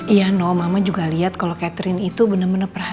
iya no mama juga lihat kalau catherine itu benar benar pernah